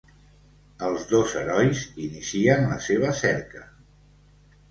Els dos herois inicien la seva cerca.